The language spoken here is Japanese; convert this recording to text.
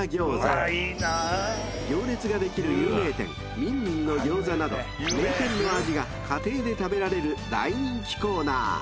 ［行列ができる有名店みんみんの餃子など名店の味が家庭で食べられる大人気コーナー］